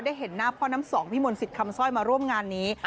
เห็นหน้าพ่อน้ำสองพี่มนต์สิทธิ์คำสร้อยมาร่วมงานนี้